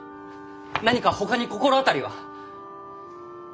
何かほかに心当たりは？